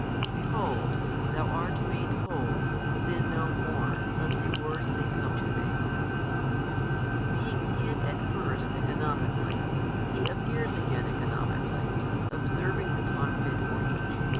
|241 Behold, thou art made whole: sin no more, lest a worse thing come to thee. Being hid at first economically, He appears again economically, observing the time fit for each.